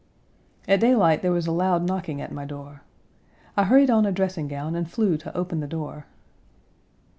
At daylight there was a loud knocking at my door. I hurried on a dressing gown and flew to open the door.